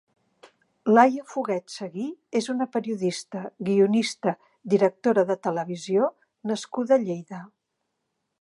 Laia Foguet Segui és una periodista, guionista, directora de televisió nascuda a Lleida.